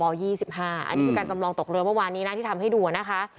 อันนี้คือการจำลองตกเรือเมื่อวานนี้นะที่ทำให้ดูนะคะ